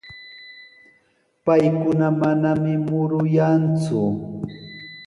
Paykuna manami muruyanku.